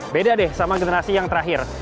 beda deh sama generasi yang terakhir